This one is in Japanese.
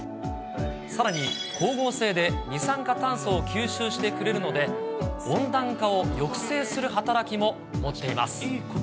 さらに光合成で二酸化炭素を吸収してくれるので、温暖化を抑制する働きも持っています。